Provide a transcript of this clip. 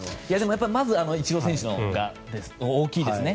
まずイチロー選手が大きいですね。